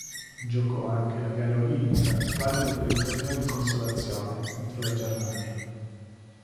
Giocò anche la gara olimpica, valida per il torneo di consolazione, contro la Germania.